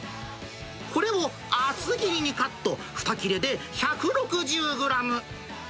これを厚切りにカット、２切れで１６０グラム。